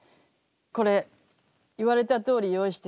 これ言われたとおり用意してきた。